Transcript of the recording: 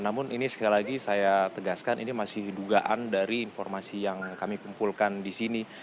namun ini sekali lagi saya tegaskan ini masih dugaan dari informasi yang kami kumpulkan di sini